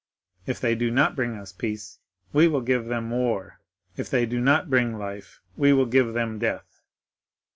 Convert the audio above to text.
'If they do not bring us peace, we will give them war; if they do not bring life, we will give them death.